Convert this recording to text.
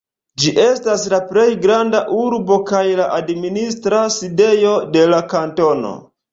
Ĝi estas la plej granda urbo kaj la administra sidejo de la kantono.